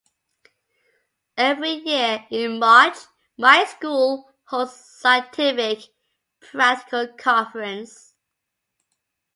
Every year, in March, my school holds a scientific practical conference.